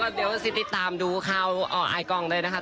แล้วก็เดี๋ยวสิติตามดูข่าวอายกองเลยนะคะ